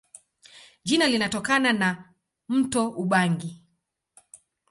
Jina linatokana na mto Ubangi.